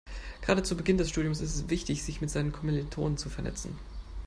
Gerade zu Beginn des Studiums ist es wichtig, sich mit seinen Kommilitonen zu vernetzen.